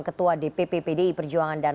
ketua dpp pdi perjuangan dan